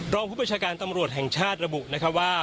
รองผู้บัญชาการตำรวจแห่งชาติระบุนะคะว่า